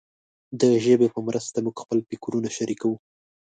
د ژبې په مرسته موږ خپل فکرونه شریکوو.